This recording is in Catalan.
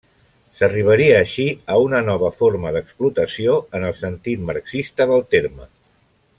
S'arribaria així a una nova forma d'explotació en el sentit marxista del terme.